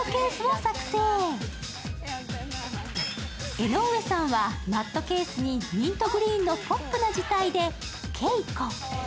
江上さんはマットケースにミントグリーンのポップな字体で「けいこ」